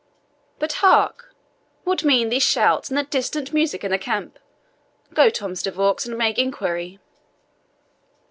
But hark! what mean these shouts, and that distant music, in the camp? Go, Thomas de Vaux, and make inquiry."